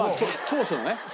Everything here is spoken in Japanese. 当初のね。